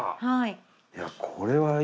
はい。